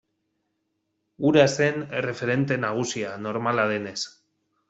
Hura zen erreferente nagusia, normala denez.